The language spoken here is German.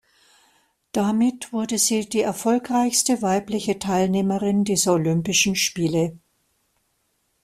Damit wurde sie die erfolgreichste weibliche Teilnehmerin dieser Olympischen Spiele.